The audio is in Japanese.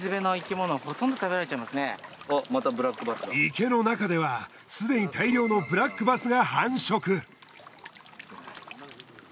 池の中ではすでに大量のブラックバスが繁殖。